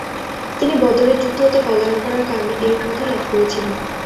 তিনি বদরের যুদ্ধ হতে পলায়ন করার কারনে এই উপাধি লাভ করেছিলেন।